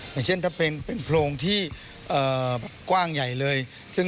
เหมือนสิ่งที่เป็นโพรงที่กว้างใหญ่เลย